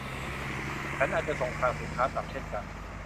ฉันอาจจะส่งคลังสินค้ากลับเช่นกัน